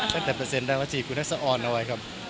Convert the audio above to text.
ตั้งแต่เปอร์เซ็ตรายธวรรษีอยู่อุงโฆษณ์อุงในฐานไหวครับ